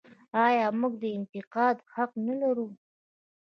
آیا موږ د انتقاد حق نلرو؟